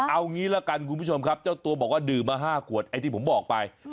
เอางี้ละกันคุณผู้ชมครับเจ้าตัวบอกว่าดื่มมา๕ขวดไอ้ที่ผมบอกไป